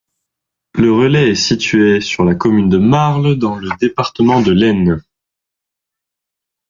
Le relais est situé sur la commune de Marle, dans le département de l'Aisne.